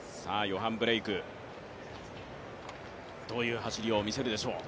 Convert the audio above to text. ヨハン・ブレイク、どういう走りを見せるでしょう。